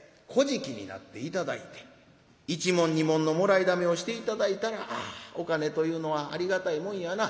じきになって頂いて１文２文のもらいだめをして頂いたらああお金というのはありがたいもんやな。